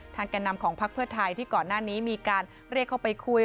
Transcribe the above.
แก่นำของพักเพื่อไทยที่ก่อนหน้านี้มีการเรียกเข้าไปคุย